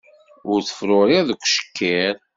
Ur d-tefruriḍ deg ucekkiṛ